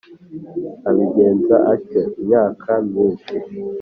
abigenza atyo imyaka myinshi,